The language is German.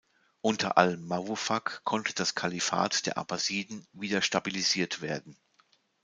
Unter al-Muwaffaq konnte das Kalifat der Abbasiden wieder stabilisiert werden.